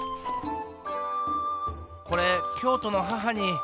これ京都の母に。